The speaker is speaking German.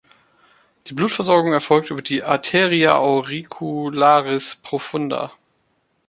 Die Blutversorgung erfolgt über die Arteria auricularis profunda.